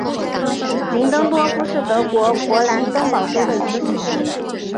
林登多夫是德国勃兰登堡州的一个市镇。